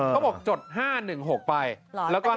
เขาบอกจด๕๑๖ไปแล้วก็๕๗๖ไป